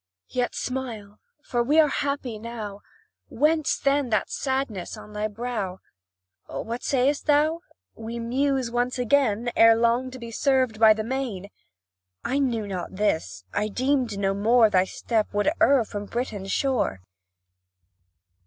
Yet smile for we are happy now. Whence, then, that sadness on thy brow? What sayst thou?" We muse once again, Ere long, be severed by the main!" I knew not this I deemed no more Thy step would err from Britain's shore.